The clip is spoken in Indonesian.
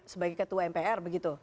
sebagai ketua mpr begitu